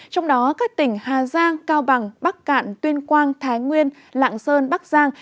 trong đó các tỉnh hà giang cao bằng bắc cạn tuyên quang thái nguyên lạng sơn bắc giang